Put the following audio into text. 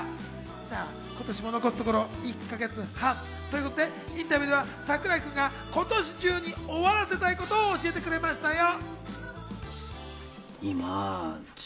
今年も残すところ、１か月半ということで、インタビューでは櫻井くんが今年中に終わらせたいことを教えてくれましたよ。